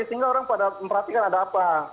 sehingga orang pada memperhatikan ada apa